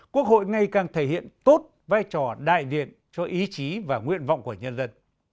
quốc hội ngày càng thể hiện tốt vai trò đại diện cho ý chí và nguyện vọng của nhân dân